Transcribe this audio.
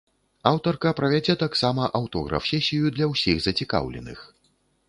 Аўтарка правядзе таксама аўтограф-сесію для ўсіх зацікаўленых.